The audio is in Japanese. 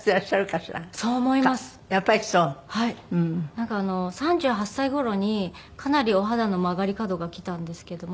なんかあの３８歳頃にかなりお肌の曲がり角がきたんですけども。